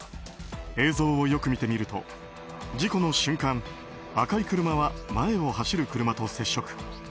映像をよく見てみると事故の瞬間赤い車は前を走る車と接触。